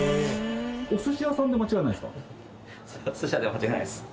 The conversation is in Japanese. お寿司屋さんで間違いないですか？